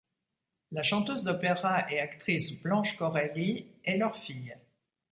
La chanteuse d'opéra et actrice Blanche Correlli est leur fille.